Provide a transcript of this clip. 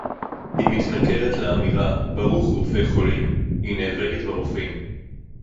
היא מתנכרת לאמירה: ברוך רופא חולים; היא נאבקת ברופאים